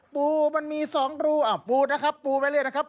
ปูมันมีสองรูปูนะครับปูไว้เลยนะครับ